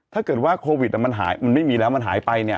ถ้าเกิดว่าโควิดมันหายมันไม่มีแล้วมันหายไปเนี่ย